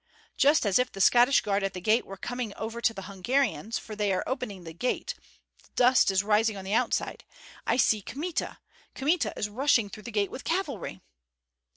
Just as if the Scottish guard at the gate were coming over to the Hungarians, for they are opening the gate, dust is rising on the outside; I see Kmita! Kmita is rushing through the gate with cavalry!"